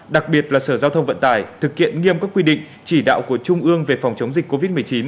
đặc biệt là sở giao thông vận tải thực hiện nghiêm các quy định chỉ đạo của trung ương về phòng chống dịch covid một mươi chín